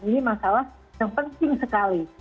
ini masalah yang penting sekali